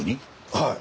はい。